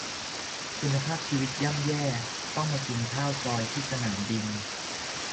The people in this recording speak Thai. คุณภาพชีวิตย่ำแย่ ต้องมากินข้าวซอยที่สนามบิน